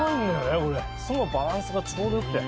酢のバランスがちょうどよくて。